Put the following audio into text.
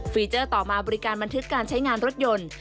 เจอร์ต่อมาบริการบันทึกการใช้งานรถยนต์